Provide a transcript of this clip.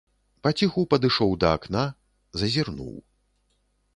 Паціху падышоў да акна, зазірнуў.